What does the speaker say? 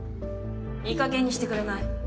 いいかげんにしてくれない？